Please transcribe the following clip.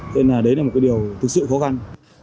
thế là đấy là một điều thực sự khó khăn